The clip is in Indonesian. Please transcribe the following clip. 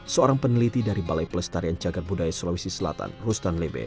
seorang peneliti dari balai pelestarian cagar budaya sulawesi selatan rustan lebe